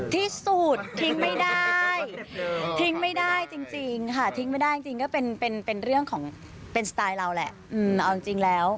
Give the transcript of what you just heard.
ที่สุดทิ้งไม่ได้ทิ้งไม่ได้จริงค่ะทิ้งไม่ได้จริงก็เป็นเรื่องของเป็นสไตล์เราแหละเอาจริงแล้ว